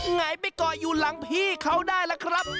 ไหนไปก่ออยู่หลังพี่เขาได้ล่ะครับ